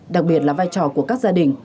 đặc biệt là vai trò của các gia đình